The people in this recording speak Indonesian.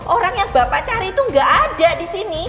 orang yang bapak cari itu nggak ada di sini